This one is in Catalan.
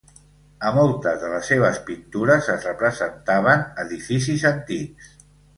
A moltes de les seves pintures es representaven edificis antics.